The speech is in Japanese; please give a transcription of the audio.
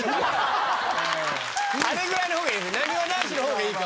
あれぐらいの方がいい。